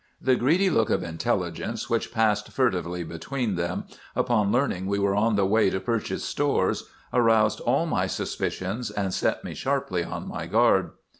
"The greedy look of intelligence which passed furtively between them upon learning we were on the way to purchase stores aroused all my suspicions, and set me sharply on my guard.